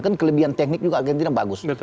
kan kelebihan teknik juga argentina bagus